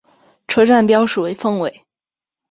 车站标识为凤尾。